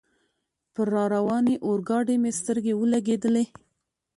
پر را روانې اورګاډي مې سترګې ولګېدلې.